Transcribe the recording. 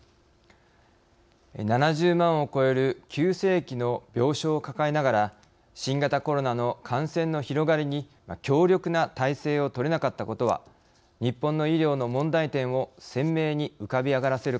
７０万を超える急性期の病床を抱えながら新型コロナの感染の広がりに強力な体制を取れなかったことは日本の医療の問題点を鮮明に浮かび上がらせる形となりました。